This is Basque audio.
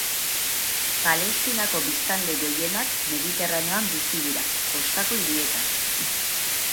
Palestinako biztanle gehienak Mediterraneoan bizi dira, kostako hirietan.